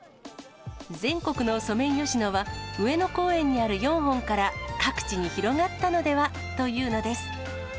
全国のソメイヨシノは、上野公園にある４本から各地に広がったのではというのです。